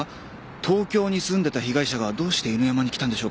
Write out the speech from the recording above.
東京に住んでた被害者がどうして犬山に来たんでしょうか？